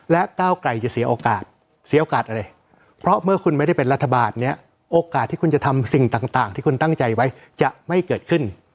และก้าวไกลจะเสียโอกาสเสียโอกาสอะไรเพราะเมื่อคุณไม่ได้เป็นรัฐบาลเนี่ยโอกาสที่คุณจะทำสิ่งต่างที่คุณตั้งใจไว้จะไม่เกิดขึ้น